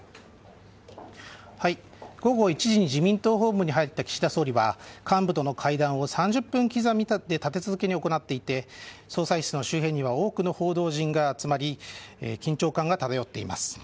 午後１時に自民党本部に入った岸田総理は幹部との会談を３０分刻みで立て続けに行っていて総裁室の周辺には多くの報道陣が集まり緊張感が漂っています。